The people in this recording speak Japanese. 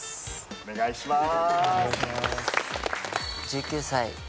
お願いします。